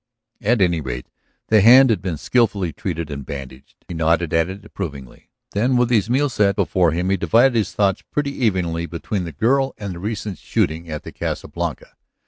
At any rate the hand had been skilfully treated and bandaged; he nodded at it approvingly. Then, with his meal set before him, he divided his thoughts pretty evenly between the girl and the recent shooting at the Casa Blanca.